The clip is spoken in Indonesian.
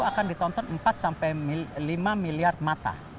akan ditonton empat sampai lima miliar mata